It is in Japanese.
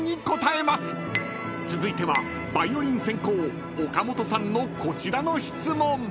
［続いてはヴァイオリン専攻岡本さんのこちらの質問］